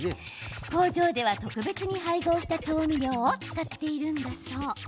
工場では特別に配合した調味料を使っているんだそう。